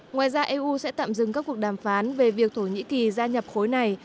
ngoài ra eu sẽ tạm dừng các cuộc đàm phán về việc thổ nhĩ kỳ gia nhập khối này